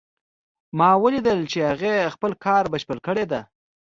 ما ولیدل چې هغې خپل کار بشپړ کړی ده